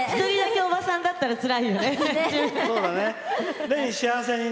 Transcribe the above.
一人だけおばさんだったらつらいよね。